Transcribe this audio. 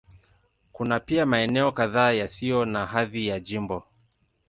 Kuna pia maeneo kadhaa yasiyo na hadhi ya jimbo.